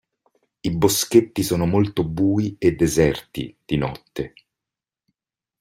I Boschetti sono molto bui e deserti di notte.